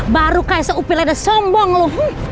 baru kayak seupil ada sombong lo